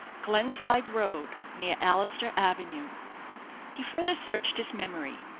" Glenside Road, near Allister Avenue." He further searched his memory.